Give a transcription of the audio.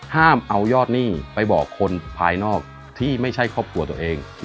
ห้ามเอายอดหนี้ไปบอกคนภายนอกที่ไม่ใช่ครอบครัวตัวเอง